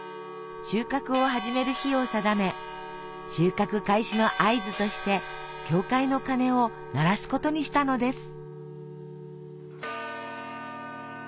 収穫を始める日を定め収穫開始の合図として教会の鐘を鳴らすことにしたのです。